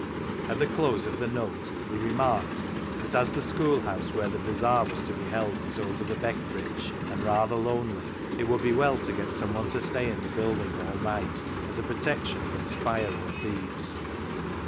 At the close of the note he remarked that as the schoolhouse where the bazaar was to be held was over the Beck bridge, and rather lonely, it would be well to get someone to stay in the building all night, as a protection against fire or thieves.